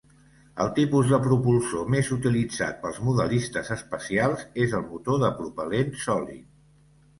El tipus de propulsor més utilitzat pels modelistes espacials és el motor de propel·lent sòlid.